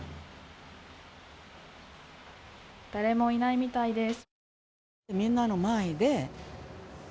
誰もいないみたいです。